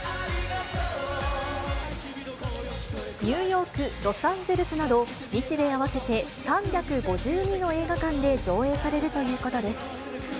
ニューヨーク、ロサンゼルスなど、日米合わせて３５２の映画館で上映されるということです。